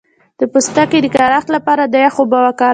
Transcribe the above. د پوستکي د خارښ لپاره د یخ اوبه وکاروئ